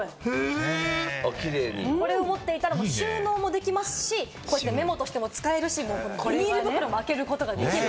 これを持っていたら収納もできますし、こうやってメモとしても使えるし、ビニール袋も開けることができる。